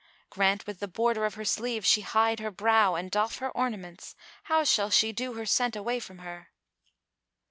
Grant with the border of her sleeve she hide her brow and doff Her ornaments, how shall she do her scent away from her?"